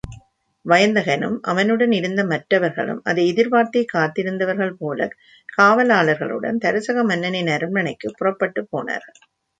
வயந்தகனும் அவனுடன் இருந்த மற்றவர்களும் அதை எதிர்பார்த்தே காத்திருந்தவர்கள் போலக் காவலாளர்களுடன் தருசக மன்னனின் அரண்மனைக்குப் புறப்பட்டுப் போனார்கள்.